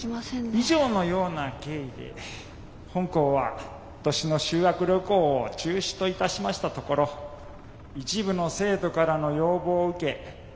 以上のような経緯で本校は今年の修学旅行を中止といたしましたところ一部の生徒からの要望を受けその実施を再検討しております。